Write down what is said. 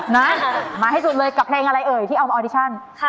นะมาให้สุดเลยกับเพลงอะไรเอ่ยที่เอามาออดิชั่น